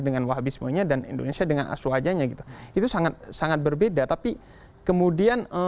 dengan wahabismenya dan indonesia dengan asrohajanya gitu itu sangat sangat berbeda tapi kemudian